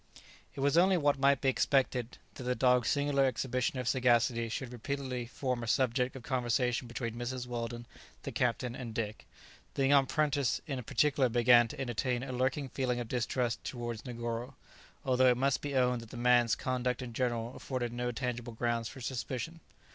It was only what might be expected that the dog's singular exhibition of sagacity should repeatedly form a subject of conversation between Mrs. Weldon, the captain, and Dick. The young apprentice in particular began to entertain a lurking feeling of distrust towards Negoro, although it must be owned that the man's conduct in general afforded no tangible grounds for suspicion.